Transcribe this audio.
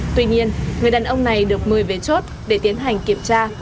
tuy nhiên người đàn ông này được mời về chốt để tiến hành kiểm tra